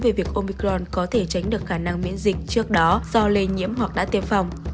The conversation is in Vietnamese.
về việc omicron có thể tránh được khả năng miễn dịch trước đó do lây nhiễm hoặc đã tiêm phòng